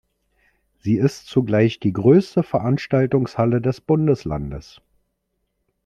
Sie ist zugleich die größte Veranstaltungshalle des Bundeslandes.